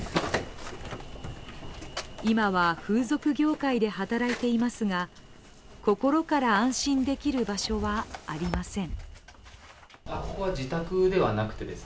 今は風俗業界で働いていますが心から安心できる場所はありません。